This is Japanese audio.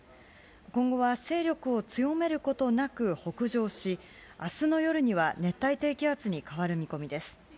今後は勢力を強めることなく北上し、あすの夜には熱帯低気圧に変わる見込みです。